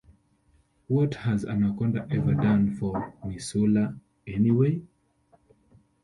What has Anaconda ever done for Missoula, anyway?